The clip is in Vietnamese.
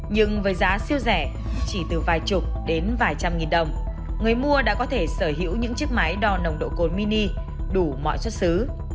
nhưng với giá siêu rẻ chỉ từ vài chục đến vài trăm nghìn đồng người mua đã có thể sở hữu những chiếc máy đo nồng độ cồn mini đủ mọi xuất xứ